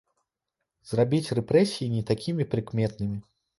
Зрабіць рэпрэсіі не такімі прыкметнымі.